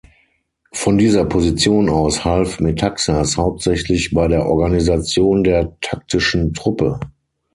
Von dieser Position aus half Metaxas hauptsächlich bei der Organisation der taktischen Truppe.